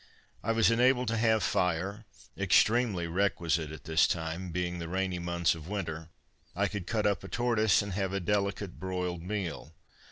I was enabled to have fire, extremely requisite at this time, being the rainy months of winter. I could cut up a tortoise, and have a delicate broiled meal.